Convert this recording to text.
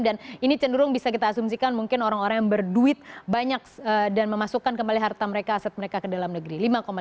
dan ini cenderung bisa kita asumsikan mungkin orang orang yang berduit banyak dan memasukkan kembali harta mereka aset mereka ke dalam negeri